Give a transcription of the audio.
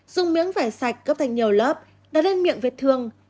dùng miếng vải sạch gấp thành nhiều lớp đặt lên miệng vết thương